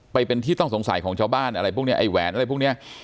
ไปเป็นที่ต้องสงสัยของชาวบ้านอะไรพวกนี้ไอ้แหวนอะไรพวกนี้